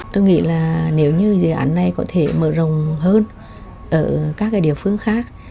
tôi nghĩ là nếu như dự án này có thể mở rộng hơn ở các địa phương khác